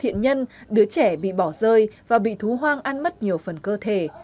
hiện nhân đứa trẻ bị bỏ rơi và bị thú hoang ăn mất nhiều phần cơ thể